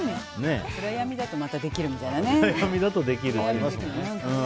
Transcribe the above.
暗闇だとまたできるみたいなね。